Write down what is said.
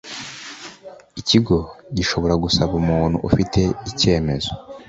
Ikigo gishobora gusaba umuntu ufite icyemezo